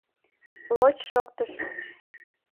«Лоч» шоктыш.